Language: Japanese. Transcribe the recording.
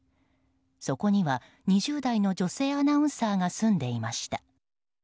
そこには２０代の女性アナウンサーが住んでいました。